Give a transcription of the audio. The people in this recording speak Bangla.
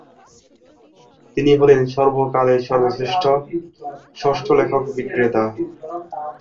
তিনি হলেন সর্বকালের সর্বশ্রেষ্ঠ ষষ্ঠ লেখক বিক্রেতা।